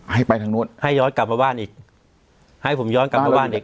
ให้ไปทางนู้นให้ย้อนกลับมาบ้านอีกให้ผมย้อนกลับมาบ้านอีก